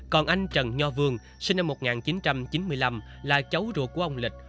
còn anh trần nho vương sinh năm một nghìn chín trăm chín mươi năm là cháu ruột của ông lịch